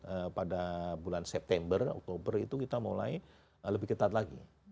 jadi catatan pada bulan september oktober itu kita mulai lebih ketat lagi